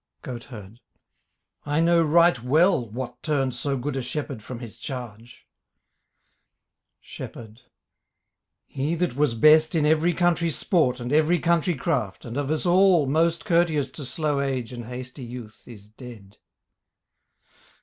GOATHERD I know right well What turned so good a shepherd from his charge. SHEPHERD He that was best in every country sport And every country craft, and of us all Most courteous to slow age and hasty youth Is dead.